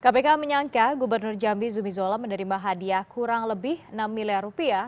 kpk menyangka gubernur jambi zumi zola menerima hadiah kurang lebih enam miliar rupiah